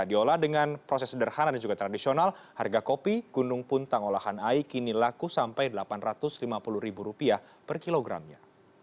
diolah dengan proses sederhana dan juga tradisional harga kopi gunung puntang olahan ai kini laku sampai rp delapan ratus lima puluh per kilogramnya